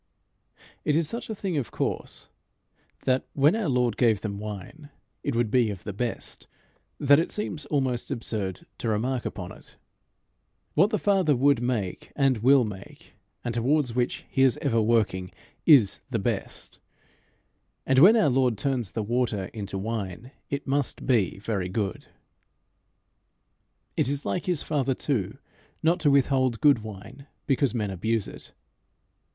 '" It is such a thing of course that, when our Lord gave them wine, it would be of the best, that it seems almost absurd to remark upon it. What the Father would make and will make, and that towards which he is ever working, is the Best; and when our Lord turns the water into wine it must be very good. It is like his Father, too, not to withhold good wine because men abuse it.